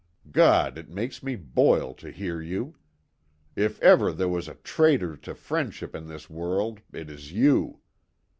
God, it makes me boil to hear you! If ever there was a traitor to friendship in this world it is you.